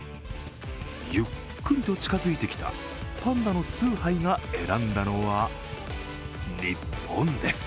ゆっくりと近づいてきたパンダのスーハイが選んだのは日本です。